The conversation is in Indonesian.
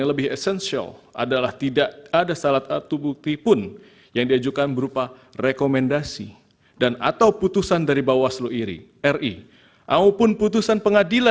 pemohon wajib membuktikan secara by data apakah terjadi kecurangan penggelumbungan atau pengurangan suara dari pemohon itu sendiri